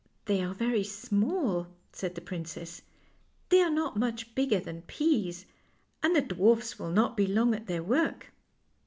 " They are very small," said the prin cess. " They are not much bigger than peas, and the dwarfs will not be long at their work."